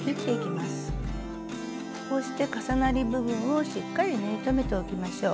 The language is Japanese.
こうして重なり部分をしっかり縫い留めておきましょう。